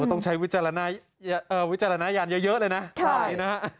โอ้ต้องใช้วิจารณาเอ่อวิจารณายานเยอะเยอะเลยน่ะใช่